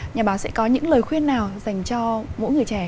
nhà báo sẽ có những lời khuyên nào dành cho mỗi người trẻ